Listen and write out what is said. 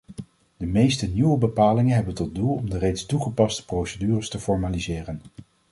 De meeste nieuwe bepalingen hebben tot doel om de reeds toegepaste procedures te formaliseren.